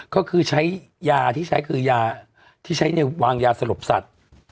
ก็คือใช้ยาที่ใช้คือยาที่ใช้ในวางยาสลบสัตว์